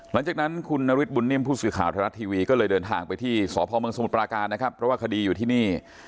หลังจากนั้นคุณนฤทธบุญนิ่มผู้สื่อข่าวไทยรัฐทีวีก็เลยเดินทางไปที่สพเมืองสมุทรปราการนะครับเพราะว่าคดีอยู่ที่นี่